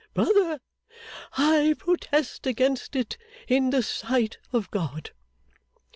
Brother, I protest against it in the sight of God!